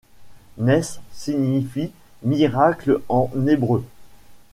Ness signifie miracle en hébreu.